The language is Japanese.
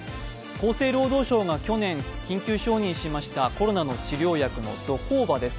厚生労働省が去年、緊急承認しましたコロナの治療薬ゾコーバです。